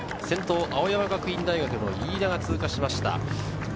先頭、青山学院の飯田が通過しました。